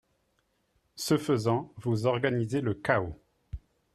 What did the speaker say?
Ce faisant, vous organisez le chaos